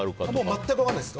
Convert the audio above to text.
全く分からないです。